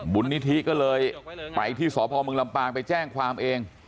นิธิก็เลยไปที่สพมลำปางไปแจ้งความเอง